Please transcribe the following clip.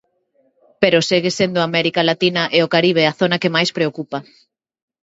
Pero segue sendo América Latina e o Caribe a zona que máis preocupa.